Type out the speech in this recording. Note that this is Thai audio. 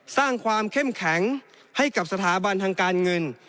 สร้างความเข้มแข็งให้กับสถาบันทางการเงิน